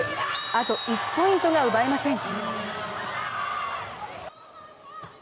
あと１ポイントが奪えません。